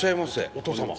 お父様。